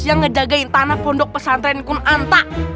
yang ngedagain tanah pondok pesantren kunanta